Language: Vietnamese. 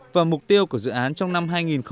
và mục tiêu của dự án trong năm hai nghìn một mươi sáu